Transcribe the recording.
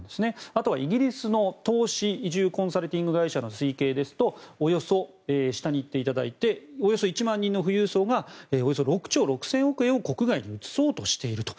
あとはイギリスの投資移住コンサルティング会社の推計ですとおよそ１万人の富裕層がおよそ６兆６０００億円を国外に移そうとしていると。